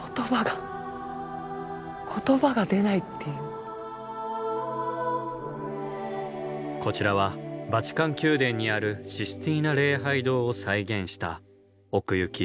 言葉がこちらはバチカン宮殿にあるシスティーナ礼拝堂を再現した奥行き